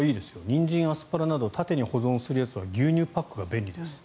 ニンジン、アスパラなど縦に保存するやつは牛乳パックが便利です。